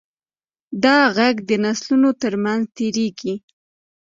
دا غږ د نسلونو تر منځ تېرېږي.